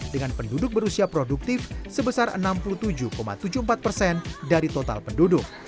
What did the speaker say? dengan penduduk berusia produktif sebesar enam puluh tujuh tujuh puluh empat persen dari total penduduk